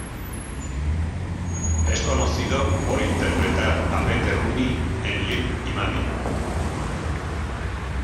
Es conocido por interpretar a Pete Rooney en "Liv y Maddie".